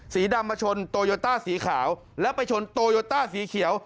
สีดำมาชนโตโยต้าสีขาวแล้วไปชนโตโยต้าสีเขียว